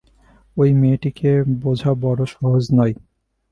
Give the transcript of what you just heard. ঐ মেয়েটিকে বোঝা বড়ো সহজ নয়।